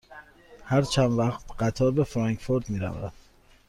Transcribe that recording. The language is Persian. هر چند وقت قطار به فرانکفورت می رود؟